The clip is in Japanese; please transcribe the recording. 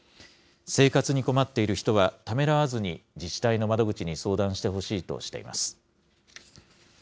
生活に困っている人は、ためらわずに自治体の窓口に相談してほしいとしています。